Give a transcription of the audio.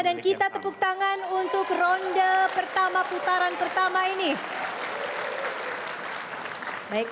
dan kita tepuk tangan untuk ronde pertama putaran pertama ini